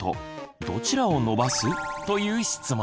どちらを伸ばす？という質問。